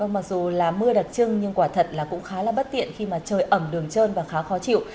mặc dù là mưa đặc trưng nhưng quả thật là cũng khá là bất tiện khi mà trời ẩm đường trơn và khá khó chịu